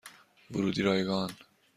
ورودی رایگان